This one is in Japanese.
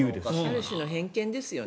ある種の偏見ですよね。